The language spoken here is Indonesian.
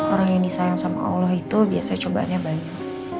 orang yang disayang sama allah itu biasa cobaannya banyak